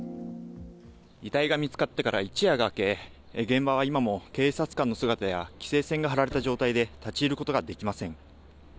遺体が見つかってから一夜が明け、現場は今も警察官の姿や、規制線が張られた状態で、立ち入ることができません。